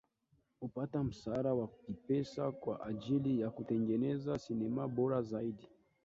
Hupata msaada wa kipesa kwa ajili ya kutengeneza sinema bora zaidi